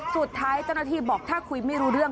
สุดท้ายเจ้าหน้าที่บอกถ้าคุยไม่รู้เรื่อง